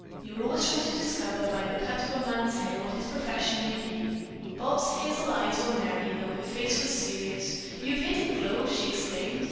You are always trying to discover by the cut of a man's hair what his profession may be." Bobs' hazel eyes were merry, though her face was serious. "You've hit it, Glow!" she exclaimed.